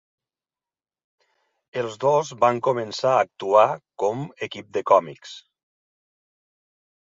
Els dos van començar a actuar com equip de còmics.